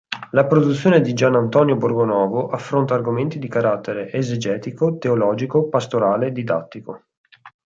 La produzione di Gianantonio Borgonovo affronta argomenti di carattere esegetico, teologico, pastorale, didattico.